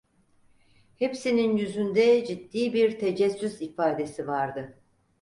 Hepsinin yüzünde ciddi bir tecessüs ifadesi vardı.